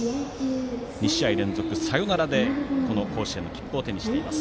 ２試合連続サヨナラで甲子園の切符を手にしています。